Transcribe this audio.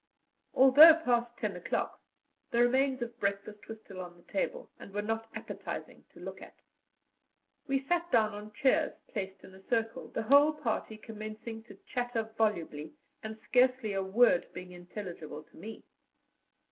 Although past ten o'clock, the remains of breakfast were still on the table, and were not appetizing to look at. We sat down on chairs placed in a circle, the whole party commencing to chatter volubly, and scarcely a word being intelligible to me.